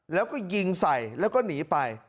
แล้วก็ยิงใส่แล้วก็หนีไป